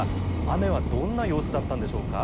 夜の間、雨はどんな様子だったんでしょうか。